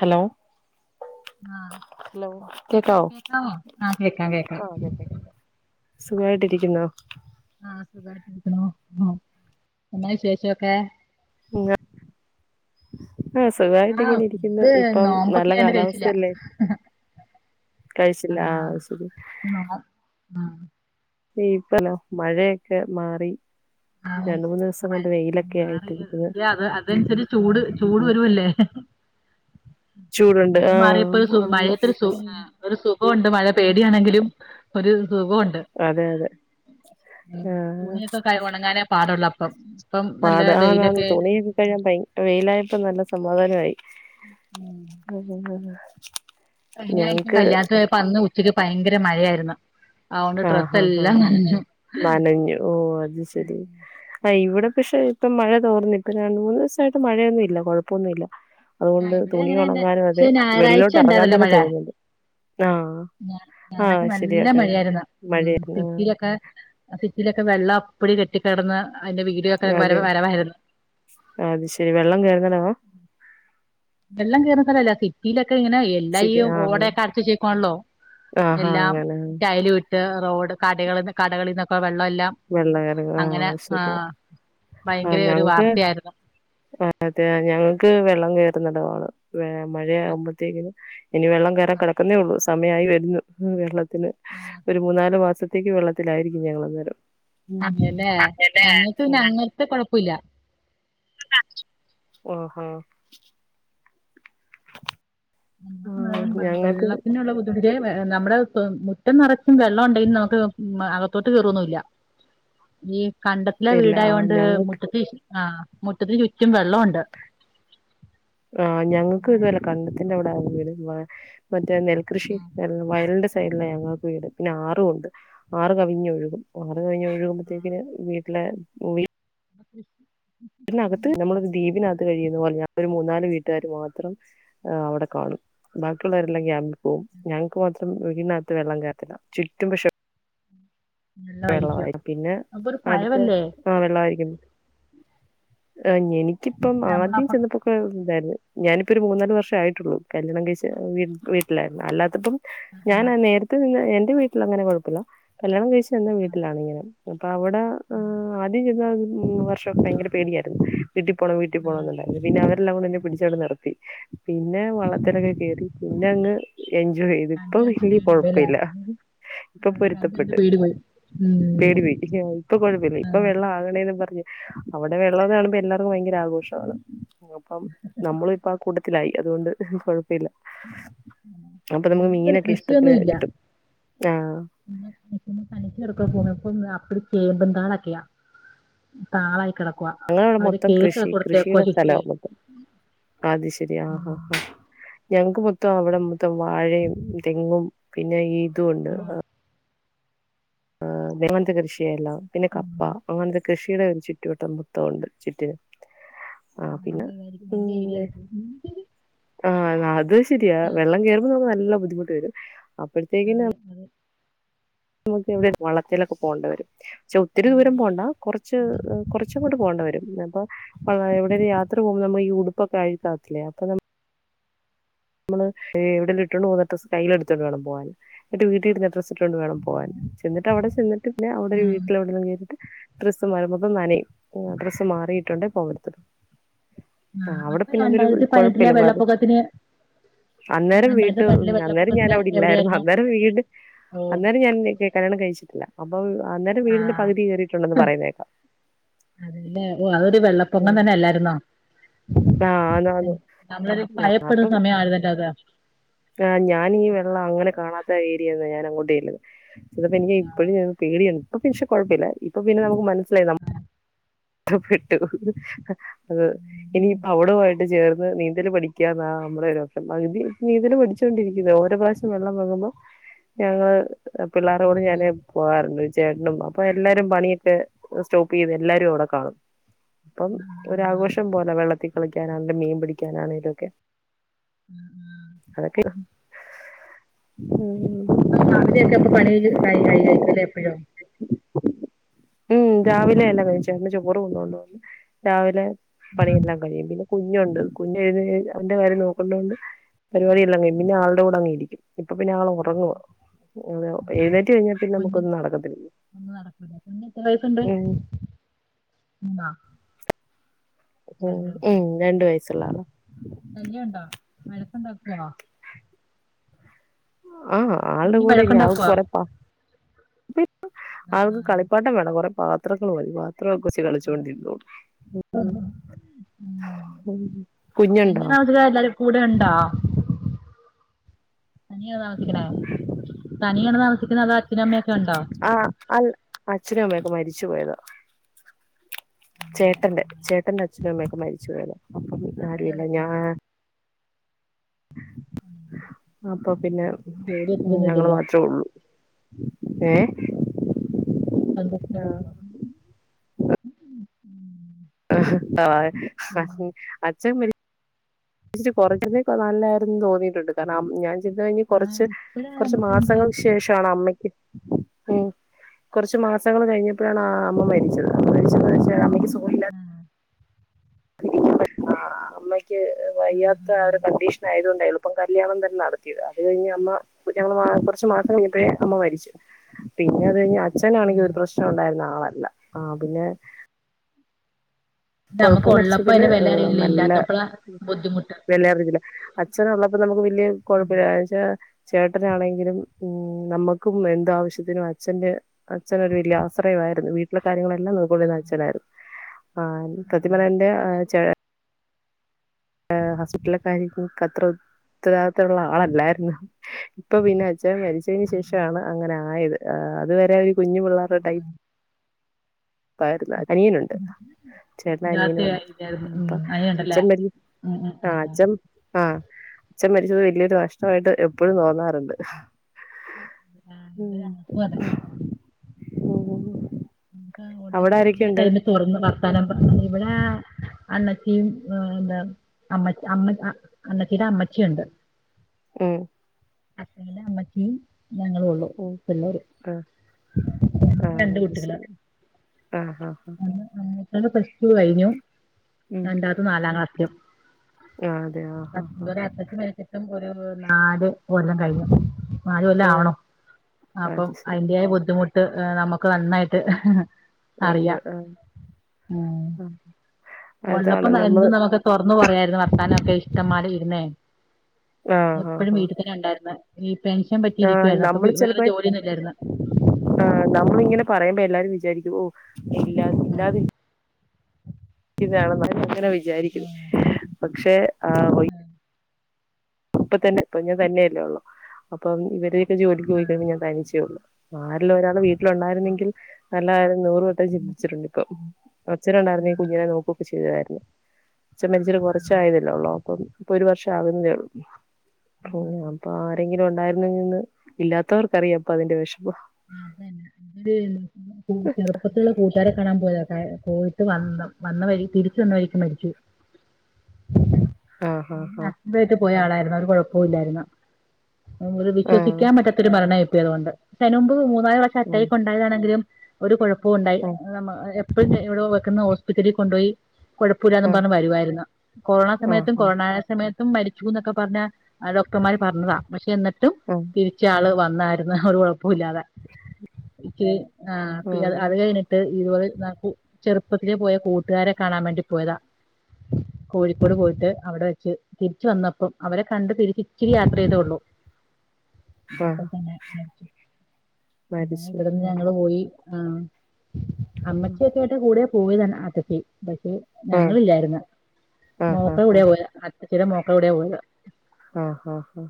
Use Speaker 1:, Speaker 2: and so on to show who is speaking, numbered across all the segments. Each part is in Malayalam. Speaker 1: ഹലോ
Speaker 2: ആഹ്
Speaker 1: ഹലോ
Speaker 2: കേക്കാ
Speaker 1: കേക്കവൊ
Speaker 2: കേക്കാവോ ആഹ് കേക്കാം കേക്കാം
Speaker 1: ആ കേക്കാം സുഖമായിട്ടിരിക്കുന്നോ
Speaker 2: ആഹ സുഖമായിട്ടിരിക്കുന്നു ആ എന്നാ വിശേഷക്കെ
Speaker 1: ങ്ങ ആഹ
Speaker 2: ആഹ്
Speaker 1: സുഖായിട്ടിങ്ങനെ ഇരിക്കുന്നു
Speaker 2: ഫുഡ്
Speaker 1: ഇപ്പം നല്ല
Speaker 2: നോമ്പൊക്കെ ആയോണ്ട് കഴിച്ചില്ല
Speaker 1: കാലാവസ്ഥയല്ലേ. കഴിച്ചില്ല ആഹ അശെരി
Speaker 2: നോ ആഹ്
Speaker 1: ഇപ്പല്ല മഴയൊക്കെ മാറി
Speaker 2: ആഹ്
Speaker 1: രണ്ട് മൂന്ന് ദിവസം
Speaker 2: മഴ
Speaker 1: കൊണ്ട് വെയിലൊക്കെ
Speaker 2: മാറി ഏ,
Speaker 1: ആയിട്ടിരിക്കുന്നു.
Speaker 2: അത് അതനുസരിച്ച് ചൂട് ചൂട് വരുവല്ലേ
Speaker 1: ചൂടുണ്ട്
Speaker 2: മഴ
Speaker 1: ആ
Speaker 2: മാറിയപ്പോരു മഴയത്തൊരു സു സുഖ കൊണ്ട് മഴ പേടിയാണെങ്കിലും ഒരു സഖുണ്ട്
Speaker 1: അതെ അതെ ആ
Speaker 2: തുണിയൊക്കെ പാടുള്ളപ്പം
Speaker 1: പാട് ആന്ന് തുണിക്ക കഴികാ വെയിലായപ്പ നല്ല സമാധാനമായി
Speaker 2: ഉം
Speaker 1: [unintelligible] ഞങ്ങക്ക്
Speaker 2: കല്യാണത്തിന് പോയപ്പോ അന്ന് ഉച്ചയ്ക്ക് ഭയങ്കര മഴയായിരുന്നു. അതുകൊണ്ട് ഡ്രസ്സ്
Speaker 1: ആഹഹാ ഹഹ
Speaker 2: എല്ലാം നനഞ്ഞു
Speaker 1: നനഞ്ഞു ഓ അത് ശരി. ആ ഇവടെ പക്ഷെ ഇപ്പ മഴ തോർന്ന് ഇപ്പൊ രണ്ട്, മൂന്ന് ദിവസായിട്ട് മഴയൊന്നുല്ല
Speaker 2: ആ
Speaker 1: അതുകൊണ്ട്
Speaker 2: ഇവിടെ അങ്ങനെ തന്നെ
Speaker 1: തുണിയൊണങ്ങാരും
Speaker 2: പക്ഷെ
Speaker 1: അതെ
Speaker 2: ഞായറാഴ്ച
Speaker 1: വെള്ളിലോട്ടെറങ്ങാനും
Speaker 2: ഉണ്ടായിരുന്നല്ലോ
Speaker 1: തന്നെ
Speaker 2: മഴ
Speaker 1: തോന്നുന്നത് ആഹ ആഹ
Speaker 2: ഞായറാഴ്ച നല്ല
Speaker 1: ശരിയാക്ക
Speaker 2: മഴയായിരുന്നു ഉം
Speaker 1: മഴയായിരുന്നു ആഹ്
Speaker 2: സിറ്റിലൊക്കെ സിറ്റിലൊക്കെ വെള്ളം അപ്പടികെട്ടിക്കിടന്ന് അയ്ന്റെ വീഡിയോക്കെ വര
Speaker 1: അതെ
Speaker 2: വരവയിരുന്നു.
Speaker 1: അത് ശരി വെള്ളം കേറുന്നടവാ
Speaker 2: വെള്ളം, കേറുന്ന, സ്ഥലല്ല, സിറ്റിലൊക്കെങ്ങനെ എല്ലാ ഈ
Speaker 1: ശരി ആഹ് അങ്ങനെ
Speaker 2: ഓടയൊക്കെ അടച്ചു വെച്ചേക്കണല്ലോ
Speaker 1: ആഹാ
Speaker 2: എല്ലാം
Speaker 1: അങ്ങനെ
Speaker 2: ടൈലുമിട്ടു റോഡ് കട കടകളിന്നൊക്കെ
Speaker 1: വെള്ള കാര്യങ്ങള് ആഹ് ശരിയാ
Speaker 2: ഭയങ്കര ഒരു
Speaker 1: ആഞങ്ങക്ക്
Speaker 2: വാർത്തയായിരുന്നു
Speaker 1: ആ അതെ ഞങ്ങക്ക് വെള്ളം കയറുന്നിടാണ് മഴയാകുമ്പോഴത്തേക്കിന് ഇനി വെള്ളം കേറാൻ കിടക്കുന്നേയൊള്ളൂ സമയായി വരുന്നു വെ ത്തിന്
Speaker 2: ആ
Speaker 1: ഒരു മൂന്നാല് മാസത്തേക്ക് വെള്ളത്തിലായിരിക്കും ഞങ്ങള് അന്നേരം
Speaker 2: അതല്ലേ ഞങ്ങൾക്ക് പിന്നെ അങ്ങനത്തെ കൊഴപ്പില്ല.
Speaker 1: ഓഹാ
Speaker 2: ആ
Speaker 1: ആഹ്
Speaker 2: ആ
Speaker 1: ഞങ്ങൾക്ക്
Speaker 2: വെള്ളത്തിനുള്ള ബുദ്ധിമുട് ഇത് നമ്മുടെ മുറ്റം നിറച്ചും വെള്ളം ഉണ്ടെങ്കും നമുക്ക് അകത്തോട്ട് കയറൊന്നില്ല. ഈ കണ്ടത്തിലെ
Speaker 1: ഇല്ല ആഹ്
Speaker 2: വീടായോണ്ട്
Speaker 1: ഞങ്ങൾക്ക്
Speaker 2: മുറ്റത്തി ആ മുറ്റത്തിന് ചുറ്റും വെള്ളവുണ്ട്.
Speaker 1: ആ ഞങ്ങൾക്ക് ഇത് വരേ കണ്ടത്തിന്റെ അവിടെ ആ വീട് നെൽകൃഷി
Speaker 2: ഉം.
Speaker 1: വയലിന്റെ സെ ല്ല ഞങ്ങൾക്ക് വീട് പിന്നെ ആറുണ്ട് ആറ് കവിഞ്ഞു ഒഴുകും ആറ് കവിഞ്ഞ ഒഴുകുമ്പോഴത്തേക്കിന് വീട്ടില് [unintelligible] അകത്ത് നമ്മളൊര് ദിപിനകത് കഴിയുന്ന പോലെ ഞൻ ഒരു മൂന്നാല് വീട്ടാര് മാത്രം അവിടെ കാണും. ബാക്കിള്ളരെ എല്ലാം ക്യാമ്പി പോവും. ഞങ്ങക്ക് മാത്രം വീടിനകത്ത് വെള്ളം കയറത്തില്ല ചുറ്റും പക്ഷെ വെള്ളമായിരിക്കും പിന്നെ
Speaker 2: അപ്പൊ ഒരു
Speaker 1: അടുത്ത
Speaker 2: പഴവല്ലേ
Speaker 1: ആ വെള്ളമായിരിക്കും. ആ എനിക്കിപ്പം
Speaker 2: നമ്മള്
Speaker 1: ആദ്യം
Speaker 2: അപ്പൊ
Speaker 1: ചെന്നപ്പോക്കെ ഇതായിരുന്നു. ഞാനിപ്പ ഒരു മൂന്ന നാല് വർഷം ആയിട്ടുള്ളു കല്യാണം കഴിച്ച വീട്ടിലായിരുന്നു അല്ലാത്തപ്പം. ഞാൻ നേരത്തെ നിന്ന് എന്റെ വീട്ടിൽ അങ്ങനെ കൊഴപ്പില്ല കല്യാണം കഴിച്ച എന
Speaker 2: ആ
Speaker 1: വീട്ടിലാണി ഇങ്ങനെ. അവിടെ
Speaker 2: ഉം
Speaker 1: ആദ്യം ചെയത വർഷംക്കെ ഭയങ്കര പേടിയായിരുന്നു. വീട്ടിൽ പോണം വീട്ടിൽ
Speaker 2: ആ
Speaker 1: പോണംണ്ടായിരുന്നു പിന്ന അവരെല്ലാം കൂടിന്നെ അവിടെ പിടിച്ചാടെ നിർത്തി. പിന്നെ വള്ളത്തിലൊക്കെ കേറി പിന്നെ അങ്ങ് എൻജോയ് ചെയ്ത് ഇപ്പൊ
Speaker 2: കണ്ട് കണ്ട്
Speaker 1: വലിയ
Speaker 2: പേടി പോയി അല്ലേ
Speaker 1: കൊഴപ്പില്ല ഇപ്പൊ
Speaker 2: ആ, കണ്ട് കണ്ട്
Speaker 1: പൊരുത്തപ്പെട്ട്.
Speaker 2: പേടി പോയി ഉം
Speaker 1: പേടി ഇപ്പൊ പോയി ഇപ്പൊ വെല്ലാ ആഗണേ അവിടെ വെള്ളം കാണുമ്പോൾ എല്ലാവർക്കും ഭയങ്കര ആഘോഷമാണ്. അപ്പം നമ്മളും ഇപ്പ ആ കൂട്ടത്തിലായി അതുകൊണ്ട് കുഴപ്പമില്ല അപ്പൊ നമുക്ക്
Speaker 2: നിങ്ങ
Speaker 1: മീനൊക്കെ ഇഷ്ടത്തിന്
Speaker 2: കൃഷിയൊന്നും ഇല്ല.
Speaker 1: കിട്ടും ആഹ്
Speaker 2: ഉ. [unintelligible] ടുക പൊ ചേബുംതാള ഒക്കെയാ ആയിക്ണ്.
Speaker 1: ഞങ്ങളവിടെ മൊത്തം കൃഷി കൃഷിയുടെ സ്ഥലോ
Speaker 2: ചുറ്റുവേ
Speaker 1: മൊത്തം. അത് ശരി ആ ആ ആ. ഞങ്ങക്ക് മൊത്തം അവിടെ മൊത്തം വാഴയും തെങ്ങും പിന്നെ ഈതും ഉണ്ട്.
Speaker 2: ആഹ്
Speaker 1: ആ തേപോലത്തെ കൃഷിയെല്ലാം പിന്നെ കപ്പ
Speaker 2: ഉം
Speaker 1: അങ്ങൻത്തെ കൃഷിയുടെ ഒരു ചുറ്റുവട്ടം മൊത്തമുണ്ട് ചിറ്റി. ആ
Speaker 2: നല്ല
Speaker 1: പിന്നെ
Speaker 2: ഇതായിരിക്കും നല്ല ഏരിയ
Speaker 1: എംഒ.
Speaker 2: ആക്കും
Speaker 1: ആ അത് ശെരിയാ
Speaker 2: ആഹ്
Speaker 1: വെള്ളം കേറമ്പ നല്ല ബുദ്ധിമുട്ട് വരും.
Speaker 2: ആതെ അത്.
Speaker 1: നമുക്ക് എവിടെ വളത്തിലൊക്കെ പോണ്ടെ വരും. ചെ ഒത്തിരി
Speaker 2: ഉം
Speaker 1: ദൂരം പോകണ്ട കുറച്ച് കുറച്ചു അങ്ങോട്ട്‌ പോണ്ട വരുംപ്പൊ. എവിടെ ഒരു യാത്ര പോകുമ്പോ ഈ ഉടുപ്പൊക്കെ താത്തില്ലേ അപ്പൊ നമ്മള് എവിടെ ഇട്ടണ്ട് പോകുന്ന ഡ്രസ്യ്കൈ ട്ത്ട്ട് വേണം പോഗാന് വീട്ടിൽ ഇടുന്ന ഡ്രസ് ണ്ട് വേണം പോൻ ചെന്നിട്ട് അവിടെ ചെന്നിട്ട്ന്നെ അവിടെ ഒരു
Speaker 2: ആഹ്
Speaker 1: വീട്ടിൽ എവിടന്നും കേട്ട് ട്രസ് വരുമ്പത്തം നനിം ട്രസ് മാറിയിട്ടുണ്ട പോക. [unintelligible] ആ
Speaker 2: ആഹ്
Speaker 1: അവിടെ
Speaker 2: അപ്പൊ
Speaker 1: പിന്നെ അതൊരു
Speaker 2: രണ്ടായിരത്തി പതിനെട്ടിലെ
Speaker 1: കൊഴപ്പില്ല. [unintelligible]
Speaker 2: വെള്ളപ്പൊക്കത്തിന്
Speaker 1: അന്നേരം വീട്ട
Speaker 2: രണ്ടായിരത്തി പതിനെട്ടിലെ
Speaker 1: അന്നേരം ഞാൻ
Speaker 2: വെള്ളപ്പൊക്കത്തിന്
Speaker 1: അവിടെ ഇല്ലായിരുന്നു
Speaker 2: എവിടെയായിരുന്നു
Speaker 1: അന്നേരം വീണ്ട്
Speaker 2: ഓഹ്
Speaker 1: അന്നേരം ഞാൻ കല്യാണം കഴിച്ചിട്ടില്ല. അപ്പൊ അന്നേരം വീടിന്റെ
Speaker 2: ആഹ്
Speaker 1: പകുതി കേയറിയിട്ടുണ്ടന്ന് പറയുന്നേക്കാം.
Speaker 2: അതെല്ലേ ഓ അതൊരു വെള്ളപ്പൊങ്ങം തന്നെ അല്ലായിരുന്നോ?
Speaker 1: ആഹ് ആന്ന്
Speaker 2: നമ്മള് ഒര് ഭയപ്പെടുന്ന സമയം ആ തന്നെ.
Speaker 1: ആ ഈ വെള്ളം അങ്ങനെ കാണാത്ത ഏരിയന്ന ഞാൻ അങ്ങോട്ടല്ന്നത്. എനിക്ക് ഇപ്പോഴ പടിയാണ് ഇപ്പ പക്ഷെ കുഴപ്പില്ല ഇപ്പ പിന്നെ നുക്ക് മനസിലായി. പ്പെട്ടു അ ഇനിയിപ്പോ അവളുമായിട്ട് ചേർന്ന് നീന്തൽ പഠിക്കാന്നാ നമ്മളോഒരോസം പകുതി നീന്തൽ പഠിച്ചു [unintelligible] ഓരോ പ്രാവശ്യം വെള്ളം പൊങ്ങുമ്പോ ഞങ്ങള് പിള്ളേരു കൂടെ ഞാന് പോകാറിണ്ട് ചേട്ടനും അപ്പൊ എല്ലാരും പണിയൊക്കെ സ്റ്റോപ്പീത് എല്ലാരും അവിടെ കാണും ഇപ്പം ഒരാഘോഷം പോലെ വെള്ളത്തി കളിക്കാനാണെങ്കിലും മീൻ പിടിക്കാനാണെലൊക്കെ
Speaker 2: ഉം ഉം
Speaker 1: മ്
Speaker 2: അപ്പൊ രാവിലെയൊക്കെ അപ്പൊ പണി കൈ കഴിയായിരിക്കുവല്ലേ എപ്പഴും
Speaker 1: ഉം രാവിലെ എല്ല കഴിചെക്ക്നെ ചോറ് കൊണ്ടോ നീണ്ടി വിടന്ന് രാവിലെ പണിയെല്ലാം കഴിയും പിന്നെ കുഞ്ഞണ്ട് കുഞ്ഞായേന് ശേഷം അവന്റെ കാര്യം നോക്കണ്ടോണ്ട് പരിപാടി എല്ലാം കഴിഞ്ഞ് പിന്നെ ആളുടെ കൂടെ അങ്ങേയിരിക്കും ഇപ്പൊ പിന്നെ ആള്
Speaker 2: ഉം
Speaker 1: ഉറങ്ങുവ
Speaker 2: ഉം
Speaker 1: എഴുനേറ്റ് റ്റ് കഴിഞ്ഞാൽപി ന്നെ നമ്മക്കൊന്നും നടക്കത്തില്ലല്ലോ
Speaker 2: ഞ്ഞിന് എത്ര വയസ്സുണ്ട് ന്ന
Speaker 1: ഉം
Speaker 2: തല്ലും
Speaker 1: ഉം രണ്ടു വയസ്സുള്ള ആളാ
Speaker 2: ശല്യണ്ടോ വഴക്കുണ്ടാക്കോ
Speaker 1: ആ ആളുടെ
Speaker 2: ഉണ്ണി
Speaker 1: കൂടെരിക്യാണം
Speaker 2: വഴക്കുണ്ടാക്കുവോ ആ,
Speaker 1: ആൾക്ക്
Speaker 2: ആ,
Speaker 1: കളിപ്പാട്ടം വേണ്ട കോറെ പാത്രങ്ങൾ മതി പത് ത്ര കൊച്ച്
Speaker 2: ആ.
Speaker 1: കളിചോണ്ടിരിന്നോളും
Speaker 2: [unintelligible] എല്ലരും കൂടെ ഇണ്ടോ തനിയെ താമസിക്ണെ തനിയാണോ താമസിക്ക്ണെ അതോ അച്ഛനും അമ്മയൊക്കെ ഉണ്ടോ
Speaker 1: ആ അല്ല അച്ഛനും അമ്മയൊക്കെ മരിച്ചു പോയതാ
Speaker 2: ആണല്ലേ
Speaker 1: ചേട്ടന്റെ ചേട്ടന്റെ അച്ഛനും അമ്മയൊക്കെ മരിച്ചു പോയത അപ്പം
Speaker 2: ആ,
Speaker 1: പിന്നെ
Speaker 2: അതാ
Speaker 1: ആരുല്ല
Speaker 2: ചോദിച്ചാ
Speaker 1: ഞാൻ അപ്പൊ പിന്നെ
Speaker 2: ജോലി
Speaker 1: ഞങ്ങള്
Speaker 2: എത്തിയൊന്നുമില്ലല്ലോ
Speaker 1: മാത്രേ ഉള്ളൂ ഏഹ്
Speaker 2: [unintelligible]
Speaker 1: അഹ് ആ അഛൻ മരി ഇച്ച് കുറചോക്കെ നല്ലായിരുന്നു തോന്നിയിട്ടുണ്ട് കാരണം ഞാൻ ഇതി കഴിഞ്ഞ് കോറച്ച്
Speaker 2: ഇപ്പഴാ
Speaker 1: കോറച്ച്
Speaker 2: നമുക്ക് ഇതിന്റെ
Speaker 1: മാസങ്ങൾക്ക് ശേഷാ ണ് അമ്മയ്ക്ക് ഉം കൊറച്ച് മാസങ്ങള് കഴിഞ്ഞപ്പഴാണ് ആ അമ്മ മരിച്ചത് അമ്മ മരിച്ചെന്ന് വെച്ചാൽ അമ്മക്ക് സു
Speaker 2: അ അ
Speaker 1: ഇരിക്ക്മ്പോഴ് അ അമ്മയ്ക്ക്
Speaker 2: ആ,
Speaker 1: വയ്യാത്ത
Speaker 2: ആ,
Speaker 1: ഒരു
Speaker 2: ആ,
Speaker 1: കണ്ടീഷൻ ആയതോണ്ട് എളുപ്പം കല്യാണം തന്നെ നടത്തിയത് അത് കഴിഞ്ഞ് അമ്മ ഞങ്ങള് കുറച്ചു മാസം കഴിഞ്ഞപ്പോഴേ അമ്മ മരിച്ചു പിന്നെത് അച്ഛനാണെങ്കിൽ
Speaker 2: ആ.
Speaker 1: ഒരു പ്രശ്നം ഉണ്ടായിരുന്ന ആളല്ല ആ പിന്നെ
Speaker 2: ഇത്
Speaker 1: കൊഴപ്പ്
Speaker 2: നമുക്ക് ഉള്ളപ്പോ
Speaker 1: മരിച്ചതില്
Speaker 2: അതിന്റെ വില അറിയില്ല
Speaker 1: നല്ല
Speaker 2: ഇല്ലാത്തപ്പോഴാ ബുദ്ധിമുട്ട്
Speaker 1: വല്യേ അറിവില്ല അച്ഛനു ള്ളപ്പോ നമുക്ക് വല്യേ
Speaker 2: ഉം.
Speaker 1: കുഴപ്പില്ല അതുവെച്ച ചേട്ടനാണെങ്കിലും ഉം നമ്മക്കും എന്ത ആവശ്യത്തിനും അച്ഛന്റെ അച്ഛനോരു വലിയ ആശ്രയമായിരുന്നു വീട്ടിലെ കാര്യങ്ങളൊ ന്ന നോക്കണത്
Speaker 2: ആ,
Speaker 1: ഇന്റെ അച്ഛനായിരുന്നു അ
Speaker 2: ആ.
Speaker 1: സത്യംപറഞ്ഞാന്റെ
Speaker 2: ശരിയാ.
Speaker 1: ചേ ഹോസ്പിറ്റലക്കാര്യം ഇൻ ക് അത്രഓ ഉത്തരവാദിത്തള്ള ആളല്ലായിരുന്നു ഇപ്പൊ പിന്നെ അച്ചൻ മരിച്ചതിന്
Speaker 2: ഉം
Speaker 1: ശേഷാണ്
Speaker 2: ഉം
Speaker 1: അങ്ങനെ ആയത് അതുവരെ ഒരു കുഞ്ഞു പിള്ളേരുടെ ടൈപ്പ
Speaker 2: ഉം
Speaker 1: [unintelligible] അനിയനുണ്ട് ചേട്ടനും അനിയനും ഉണ്ട്
Speaker 2: രാത്രിയായില്ലായിരുന്നു ഉം
Speaker 1: അപ്പൊ
Speaker 2: അങ്ങനെയുണ്ടല്ലേ
Speaker 1: അച്ഛൻ മര്
Speaker 2: ഉം ഉം
Speaker 1: അ
Speaker 2: ഉം ഉം
Speaker 1: അച്ചം അ അച്ഛൻ മരിച്ചത് വലിയൊരു കഷ്ടായിട്ട് എപ്പോഴും തോന്നാറുണ്ട്
Speaker 2: ആ
Speaker 1: ഉം
Speaker 2: ഇവിടെ ഞങ്ങൾക്കും അതെ
Speaker 1: ഉം
Speaker 2: ആ
Speaker 1: അവിടെ
Speaker 2: ഉള്ളപ്പ എല്ലാ
Speaker 1: ആരൊക്കെയുണ്ട്
Speaker 2: ടൈമ തുറന്ന് വർത്താനം ഇവിടെ അണ്ണച്ചി എന്താ അമ്മ അമ്മ അണ്ണച്ചീടെ അമ്മച്ചി ഇണ്ട്
Speaker 1: ഉം
Speaker 2: അപ്പേന്റെ അമ്മച്ചി ഞങ്ങളോഉള്ളു
Speaker 1: ഉം
Speaker 2: പിള്ളേര്
Speaker 1: ആഹ്
Speaker 2: രണ്ട് കുട്ടികള്
Speaker 1: അ ഹാ ഹ
Speaker 2: ഒരാൾടെ പ്ലസ് ടു കഴിഞ്ഞു
Speaker 1: ഉം
Speaker 2: രണ്ടാത്തെ നാലാക്‌ളാസിലും
Speaker 1: ആഹ് അതെ ആഹ്
Speaker 2: അത്ത
Speaker 1: ആഹ്
Speaker 2: ഇതുവരെ അത്തച്ചി മരിച്ചിട്ടും ഒരു നാല് കൊല്ലംകഴിഞ്ഞു നാല്
Speaker 1: ആഹ്
Speaker 2: കൊല്ലാവണു അപ്പം
Speaker 1: അത് ശരി
Speaker 2: അതിന്റെയായ ബുദ്ധിമുട്ട് നമുക്ക് നന്നായിട്ട് ഹ് ഹ്
Speaker 1: ഉണ്ട്
Speaker 2: അറിയാം
Speaker 1: ആഹ്
Speaker 2: ഉം
Speaker 1: ആഹ് അതാണ്
Speaker 2: ഒള്ളപ്പം ന്ന
Speaker 1: നമ്മള്
Speaker 2: എന്തുന്നമ്മക്ക് തുറന്നു പറയാരുന്നു വർത്താനൊക്കെ ഇഷ്ടമ്മാരി ഇരുന്നേ
Speaker 1: ആഹ് ആഹ്
Speaker 2: എപ്പഴും
Speaker 1: ആഹ്
Speaker 2: വീട്ടിത്തന്നെ ഉണ്ടായിര്ന്ന് ഈ പെൻഷൻ
Speaker 1: ആഹ്
Speaker 2: പറ്റിയിരിക്കുവാരുന്നു അപ്പൊ വീ വേറെ ജോലിയൊന്നുയില്ലായിര്ന്ന്
Speaker 1: ആ നമ്മളിങ്ങനെ പറയുമ്പോ എല്ലാരും വിചാരിക്കു ഓ
Speaker 2: ആ
Speaker 1: ങ്ങനെയാണ് ന്നാ ങ്ങനെ വിചാരിക്കും പക്ഷെ,
Speaker 2: ഉം
Speaker 1: ഇപ്പ തന്നെ കുഞ്ഞ് തന്നെയല്ലേ ഒള്ളൂ അപ്പം ഇവരെയൊക്ക ജോലിക്ക് പോയിക്കഴുമ്പ ഞാൻ തനിച്ചേള്ളു ആര്ലു ഒരാൾ വീട്ടിലൊണ്ടായിര്ന്നെങ്കിൽ നല്ലതാര്ന്ന്, നൂറ് വട്ടം ചിന്തിച്ചിട്ടുണ്ട് ഇപ്പം അച്ഛനുണ്ടാര്ന്നേ കുഞ്ഞിനെ നോക്കൊക്കെ ചെയ്യുവല്ലേ അച്ഛമ്മരിച്ചിട്ട് കൊറച്ചായതല്ലേ ഒള്ളൂ അപ്പം ഇപ്പൊരു വർഷാവുന്നേ ഉള്ളൂ അപ്പൊ ആരെങ്കിലു ഒണ്ടായിര്ന്നെങ്ങേന്ന് ഇല്ലാത്തവർക്കറിയാപ്പൊ അതിന്റെ വെഷ്മം
Speaker 2: ആ അതന്നെ അവര് കു ചെറുപ്പത്തിലുള്ള കൂട്ടാരെ കാണാൻ പോയത ഹ് പോയിട്ട് വന്ന വന്ന വഴി തിരിച്ചു വന്ന വഴിക്ക് മരിച്ചു
Speaker 1: ആഹ് ഹഹ് ഹാ
Speaker 2: ഹസ്ബൻഡായിട്ട് പോയ ആളായിരുന്നു ഒരു കൊഴപ്പോല്ലാര്ന്ന് ഒര്
Speaker 1: ആഹ്
Speaker 2: വിശ്വസിക്കാൻ പറ്റാത്തൊരു മരണമായിപ്പോയി അതുകൊണ്ട് യ്നുമ്പ് മൂന്നാല് പ്രാവിശ്യം
Speaker 1: ആഹ് ഉം
Speaker 2: അറ്റായ്ക്കുണ്ടായതാണെങ്കിലും കൊണ്ടായതാണെങ്കിലും ഒരു കുഴപ്പവും ഉണ്ടായി
Speaker 1: ഉം
Speaker 2: അ ഹ് യ മാ എ പ്പ ന്ന് എവിടോ വെക്കന്ന് ഹോസ്പിറ്റലിൽ കൊണ്ടോയി കൊഴപ്പയില്ലാന്ന്
Speaker 1: ആഹ്
Speaker 2: പറഞ്ഞു വരുവായിര്ന്ന് കൊറോണ സമയത്തും,
Speaker 1: ആഹ്
Speaker 2: കൊറോണ സമയത്തുമ്മരിച്ചുന്നൊക്കെ പറഞ്ഞാ ആ ഡോക്ടർമാര് പറഞ്ഞതാ പക്ഷെ എന്നിട്ടും
Speaker 1: ഉം
Speaker 2: തിരിച്ചാള് വന്നായിര്ന്ന് ഹ് ഒരു കൊഴപ് പ്പോല്ലാതെ എക്ക് ആ പ്പി അത് അത്
Speaker 1: ഉം
Speaker 2: കയ്നിട്ട്, ഇത്പോലെ ന്നാ കു ചെറുപ്പത്തിലെ പോയ കൂട്ടുകാരെ കാണാൻ വേണ്ടി പോയതാ കോഴിക്കോട് പോയിട്ട് അവിടെ വെച്ച് തിരിച്ച് വന്നപ്പം അവരെ കണ്ട് തിരിച്ചിച്ചിരി യാത്ര ചെയ്തേ ഒള്ളൂ അപ്പൊ
Speaker 1: ആഹ്
Speaker 2: തന്നെ മരിച്ചു
Speaker 1: മരിച്ചു
Speaker 2: പിന്നിവ്ട്ന്ന് ഞങ്ങള് പോയി ആഹ് അമ്മച്ചിയൊക്കൊയായ്ട്ട് കൂടെയാ പോയത് അൻ അത്തച്ചി പക്ഷെ
Speaker 1: ആഹ്
Speaker 2: ഞങ്ങളില്ലായിര്ന്ന്
Speaker 1: ആഹ്
Speaker 2: മോക്കടെ
Speaker 1: ആഹ്
Speaker 2: കൂടെയാ പോയെ അത്തച്ചിടെ മോക്ക ടെ കൂടെയ പോയത്
Speaker 1: ആഹ് ആഹ് ആഹ്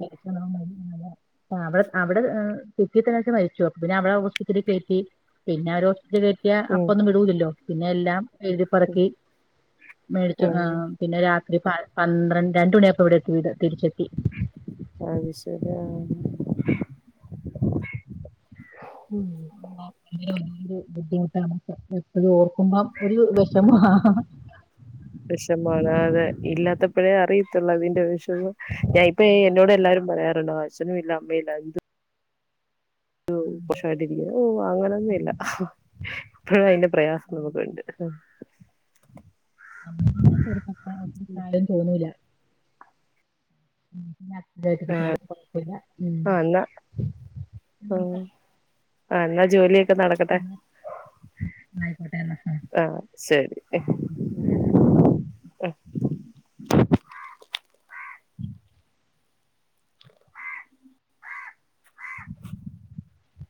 Speaker 2: തിരിച്ച് വന്നപ്പം മ [unintelligible] ത്ത അവിട അവിടെ ആ തിരിച്ചെത്തിയേനുശം മരിച്ചു അപ്പൊ പിന്നെ അവടെ ഹോസ്പിറ്റലീ കേറ്റി പിന്നാവ ര്ക്ക് കിട്ടിയാ
Speaker 1: ഉം
Speaker 2: അപ്പൊന്നും വിടൂല്ലല്ലോ പിന്നെ എല്ലാം എഴുതിപ്പറക്കി മേടിച്ചു ആ
Speaker 1: ഉം
Speaker 2: പിന്നെ രാത്രി പാ പന്ത്രണ്ട് രണ്ട് മണിയായപ്പൊ ഇവിടെ ത്തിവിടെ തിരിച്ചെത്തി
Speaker 1: അത് ശരി ആഹ്
Speaker 2: [unintelligible] അങ്ങനെയോരോ രോബുദ്ധിമുട്ട് താമസം എപ്പോഴു ഓർക്കുമ്പം ഒരു വെഷമ ആ ഹ ഹ
Speaker 1: ഇപ്പോഴേ അറിയത്തുള്ളൂ അതിന്റെ വെഷമം ഞാൻ ഇപ്പ എന്നോട് എല്ലാരും പറയാറുണ്ട് അച്ഛനുയില്ലാ അ മ്മേല്ലാ എന്ത് [unintelligible] ഷായിട്ടിരിക്ക്ന്നെ ഓ അങ്ങനൊന്നുല്ല ഇപ്പഴു അയിന്റെ പ്രയാസം നമക്കുണ്ട് ഉം
Speaker 2: അമ്മയമ്മ ചെറുപ്പക്കാ ഒത്തിരി പ്രായം തോന്നൂല നല്ല ആക്റ്റീവായിട്ടിരിക്കുണു കൊഴപ്പല്ല മ്
Speaker 1: ആഹ് എന്നാ
Speaker 2: പ്പം
Speaker 1: ആഹ്
Speaker 2: നമ്മക്കാ
Speaker 1: ആ എന്നാ ജോലിയൊക്കെ നടക്കട്ടെ
Speaker 2: ആയിക്കോട്ടെ
Speaker 1: ആ ശരി
Speaker 2: ശെരിയെന്ന ഉം [unintelligible]